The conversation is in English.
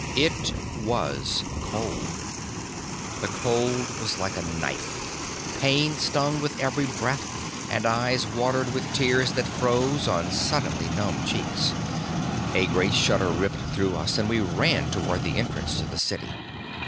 It was cold. The cold was like a knife. Pain stung with every breath and eyes watered with tears that froze on suddenly numb cheeks. A great shudder ripped through us and we ran toward the entrance to the city.